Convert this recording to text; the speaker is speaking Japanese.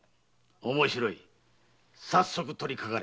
面白い早速取りかかれ。